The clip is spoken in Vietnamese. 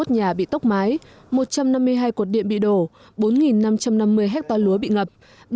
hai bảy trăm năm mươi một nhà bị tốc mái một trăm năm mươi hai cột điện bị đổ bốn năm trăm năm mươi hectare lúa bị ngập